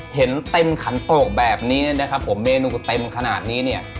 เห็นเต็มขันโปรกแบบนี้นะครับผมเมนูเต็มขนาดนี้เนี่ย